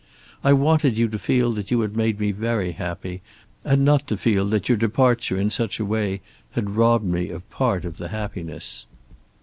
I wanted you to feel that you had made me very happy, and not to feel that your departure in such a way had robbed me of part of the happiness.